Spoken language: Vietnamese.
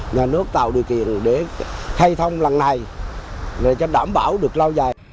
nhà nước tạo điều kiện để khay thông lần này để đảm bảo được lau dài